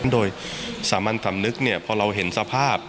โดยสามัญสำนึกพอเราเห็นสภาพ